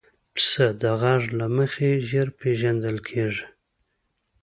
پسه د غږ له مخې ژر پېژندل کېږي.